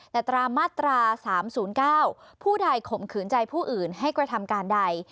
แต่ตรามาตรา๓๐๙ผู้ใดข่มขืนใจผู้อื่นให้กระทำการใด